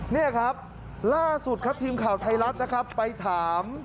นี่ครับล่าสุดครับทีมข่าวไทยรัฐนะครับไปถาม